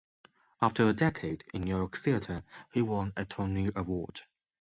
After a decade in New York theater, he won a Tony Award.